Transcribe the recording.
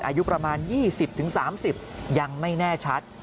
อายุประมาณ๒๐๓๐ยังไม่แน่ชัด